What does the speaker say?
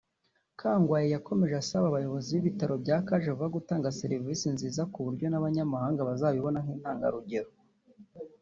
Kangwagye yakomeje asaba abayobozi b’ibitaro bya Kajevuba gutanga serivisi nziza ku buryo n’abanyamahanga bazabibona nk’intagarugero